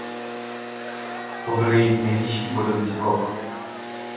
To byl jejich nejvyšší bodový skok.